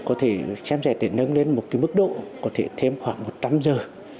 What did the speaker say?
có thể xem sẽ để nâng lên một cái mức độ có thể thêm khoảng một trăm linh giờ